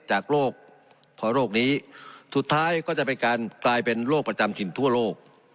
จากโรคพอโรคนี้สุดท้ายก็จะเป็นการกลายเป็นโรคประจำถิ่นทั่วโลก